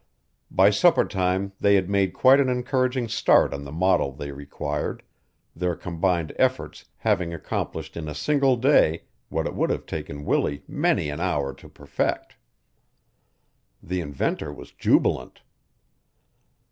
By supper time they had made quite an encouraging start on the model they required, their combined efforts having accomplished in a single day what it would have taken Willie many an hour to perfect. The inventor was jubilant.